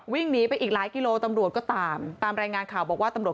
วิ่งหนีไปอีกหลายกิโลตำรวจก็ตามตามรายงานข่าวบอกว่าตำรวจ